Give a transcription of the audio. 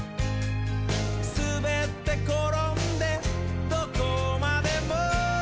「すべってころんでどこまでも」